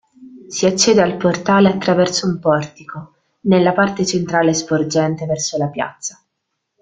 Si accede al portale attraverso un portico, nella parte centrale sporgente verso la piazza.